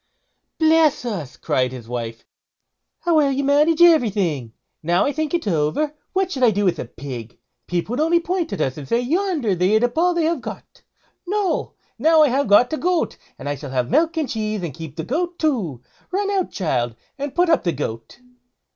"Bless us!" cried his wife, "how well you manage everything! Now I think it over, what should I do with a pig? People would only point at us and say, 'Yonder they eat up all they have got.' No! now I have got a goat, and I shall have milk and cheese, and keep the goat too. Run out, child, and put up the goat."